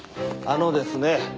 あのですね